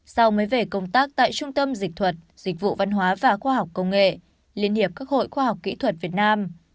sau mới về công tác tại trung tâm dịch thuật dịch vụ văn hóa và khoa học công nghệ liên hiệp các hội khoa học kỹ thuật việt nam